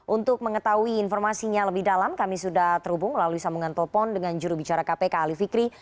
untuk mengetahui informasinya lebih dalam kami sudah terhubung lalu disambungkan telpon dengan juru bicara kpk ali fikri